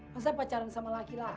masa pacaran sama laki laki